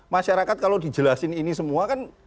masyarakat kalau dijelasin ini semua kan